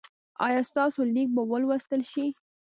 ایا ستاسو لیک به ولوستل شي؟